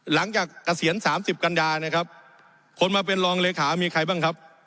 หลังจากเกษียณสามสิบกัญญาเนี้ยครับคนมาเป็นรองเลขามีใครบ้างครับ